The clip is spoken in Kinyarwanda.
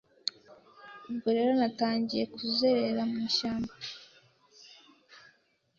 Ubwo rero natangiye kuzerera mu ishyamba